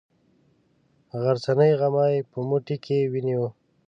غرڅنۍ غمی په موټي کې ونیوه.